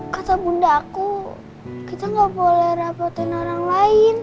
kata bunda aku kita gak boleh rapotin orang lain